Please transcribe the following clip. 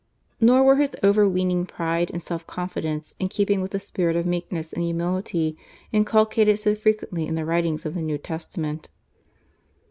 Nor were his over weening pride and self confidence in keeping with the spirit of meekness and humility inculcated so frequently in the writings of the New Testament.